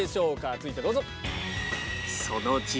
続いてどうぞ！